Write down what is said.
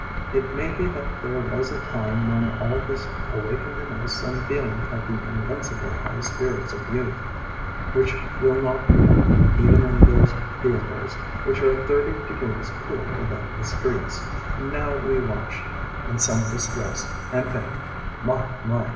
It may be that there was a time when all this awakened in us some feeling of the invincible high spirits of youth which will not wilt even in those thea tres which are "thirty degrees cooler than the streets". Now we watch in some distress and think, "My! My!